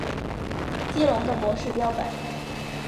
激龙的模式标本。